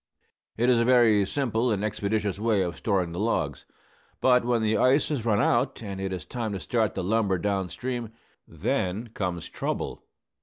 It is a very simple and expeditious way of storing the logs. But when the ice has run out, and it is time to start the lumber down stream, then comes trouble.